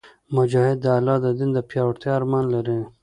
مجاهد د الله د دین د پیاوړتیا ارمان لري.